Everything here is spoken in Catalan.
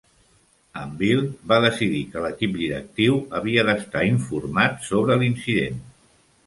En Bill va decidir que l'equip directiu havia d'estar informat sobre l'incident.